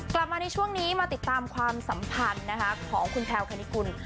กลับมาในช่วงนี้มาติดตามความสัมพันธ์ของคุณแพลวคณิกุล